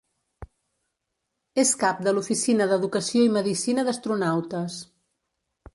És Cap de l'Oficina d'Educació i Medicina d'Astronautes.